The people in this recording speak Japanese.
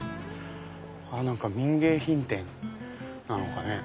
民芸品店なのかね？